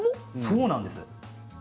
そうなんです。